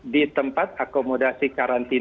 di tempat akomodasi karantina